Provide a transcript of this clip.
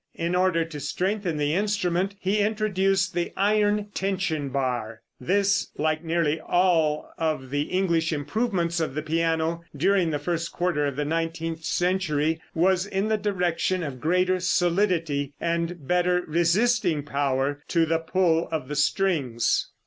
In order to strengthen the instrument, he introduced the iron tension bar. This, like nearly all of the English improvements of the piano during the first quarter of the nineteenth century, was in the direction of greater solidity, and better resisting power to the pull of the strings.